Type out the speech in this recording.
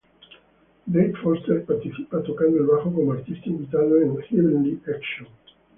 Dave Foster participa tocando el bajo como artista invitado en Heavenly Action.